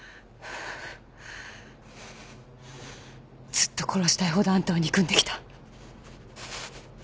ずっと殺したいほどあんたを憎んできた。